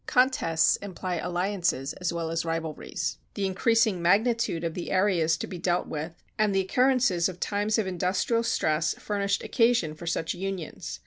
Contests imply alliances as well as rivalries. The increasing magnitude of the areas to be dealt with and the occurrences of times of industrial stress furnished occasion for such unions.